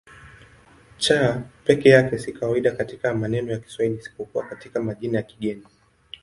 C peke yake si kawaida katika maneno ya Kiswahili isipokuwa katika majina ya kigeni.